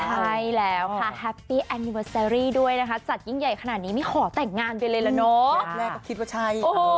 แค่แม่ก็คิดว่าใช่